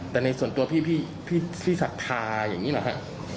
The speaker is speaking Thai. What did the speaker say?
แต่ในส่วนตัวพี่ที่ศรัทธาอย่างนี้หรอฮะ